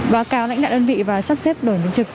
và cao lãnh đạo đơn vị và sắp xếp đổi biến trực